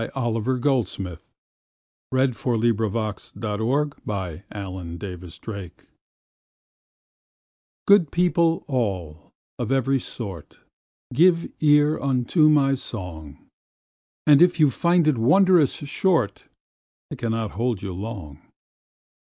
Oliver Goldsmith An Elegy on the Death of a Mad Dog GOOD people all, of every sort, Give ear unto my song, And if you find it wondrous short, It cannot hold you long.